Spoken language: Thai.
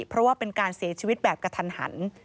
เพราะว่าเป็นการเสียชีวิตแบบกระทันหัน